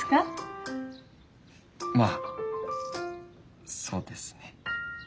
まあそうですね。